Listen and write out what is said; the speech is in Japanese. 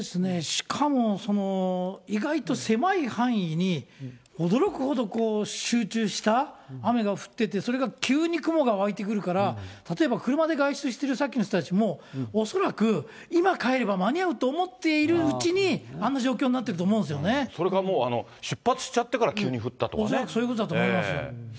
しかも意外と狭い範囲に驚くほど集中した雨が降ってて、それが急に雲が湧いてくるから、例えば車で外出しているさっきの人たちも、もう恐らく、今帰れば間に合うと思っているうちに、あんな状況になっているとそれから出発してから急に降恐らくそういうことだと思い